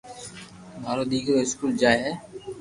مارو دآڪرو اسڪول جائي ھي